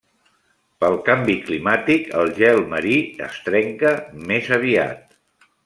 Pel canvi climàtic el gel marí es trenca més aviat.